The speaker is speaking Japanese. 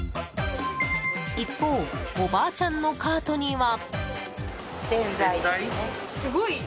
一方、おばあちゃんのカートには。